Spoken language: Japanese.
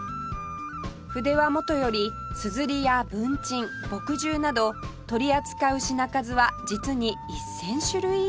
筆はもとより硯や文鎮墨汁など取り扱う品数は実に１０００種類以上